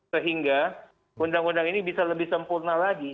sehingga undang undang ini bisa lebih sempurna lagi